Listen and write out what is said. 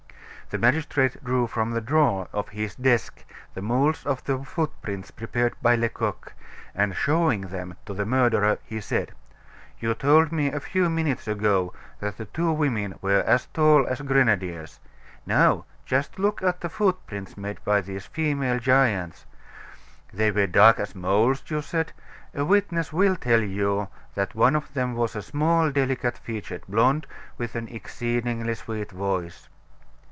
The magistrate drew from the drawer of his desk the molds of the footprints prepared by Lecoq, and showing them to the murderer, he said: "You told me a few minutes ago that the two women were as tall as grenadiers; now, just look at the footprints made by these female giants. They were as 'dark as moles,' you said; a witness will tell you that one of them was a small, delicate featured blonde, with an exceedingly sweet voice."